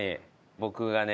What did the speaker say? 僕がね